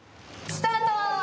スタート。